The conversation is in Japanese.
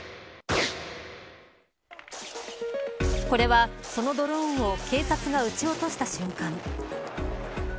これは、そのドローンを警察が撃ち落とした瞬間。